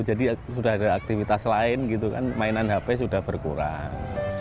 jadi sudah ada aktivitas lain gitu kan mainan hp sudah berkurang